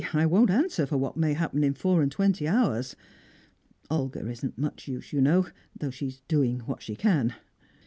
I won't answer for what may happen in four and twenty hours. Olga isn't much use, you know, though she's doing what she can."